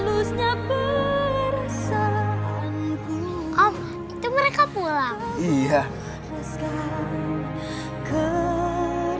om itu mereka pulang